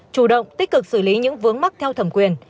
chủ động tích cực xử lý những vướng mắc theo thẩm quyền